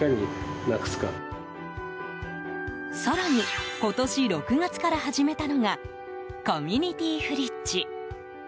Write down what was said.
更に、今年６月から始めたのがコミュニティフリッジ。